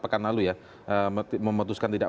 pekan lalu ya memutuskan tidak